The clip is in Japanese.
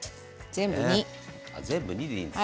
全部２でいいんです。